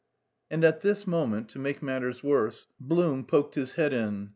And at this moment, to make matters worse, Blum poked his head in.